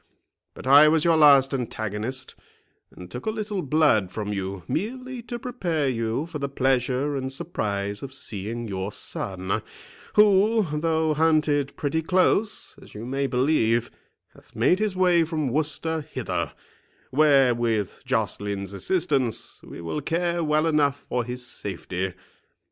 But I was your last antagonist, and took a little blood from you, merely to prepare you for the pleasure and surprise of seeing your son, who, though hunted pretty close, as you may believe, hath made his way from Worcester hither, where, with Joceline's assistance, we will care well enough for his safety.